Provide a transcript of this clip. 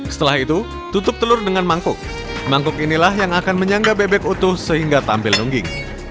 setelah itu tutup telur dengan mangkuk mangkuk inilah yang akan menyangga bebek utuh sehingga tampil nungging